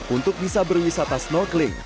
untuk bisa berwisata snorkeling